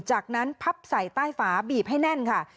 จากนั้นพับใส่ใต้ฝาบีบให้แน่นค่ะ